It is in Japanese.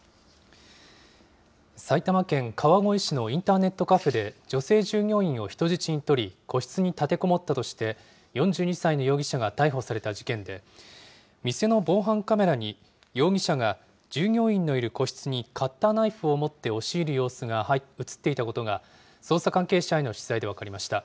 埼玉県川越市のインターネットカフェで、女性従業員を人質に取り、個室に立てこもったとして、４２歳の容疑者が逮捕された事件で、店の防犯カメラに、容疑者が従業員のいる個室にカッターナイフを持って押し入る様子が写っていたことが、捜査関係者への取材で分かりました。